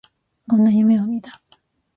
こんな夢を見た